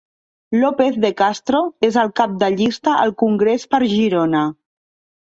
López de Castro és el cap de llista al congrés per Girona.